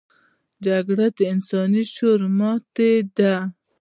جګړه د انساني شعور ماتې ده